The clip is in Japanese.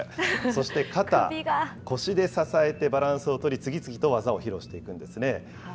そして肩、腰で支えてバランスを取り、次々と技を披露していくんですね。